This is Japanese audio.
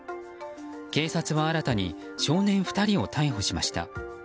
警察は新たに少年２人を逮捕しました。